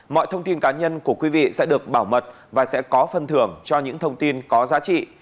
mọi thông tin cá nhân của quý vị sẽ được bảo mật và sẽ có phân thưởng cho những thông tin có giá trị